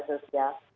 jadi di dunia sosial